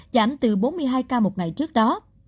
giảm từ bốn mươi hai ca một ngày trước đó